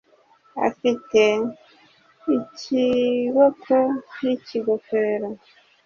afite ikiboko n'ikigofero